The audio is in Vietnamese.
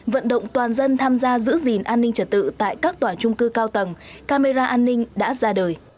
vận động toàn dân tham gia giữ gìn an ninh trật tự tại các tòa trung cư cao tầng camera an ninh đã ra đời